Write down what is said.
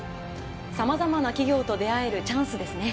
さまざまな企業と出会えるチャンスですね。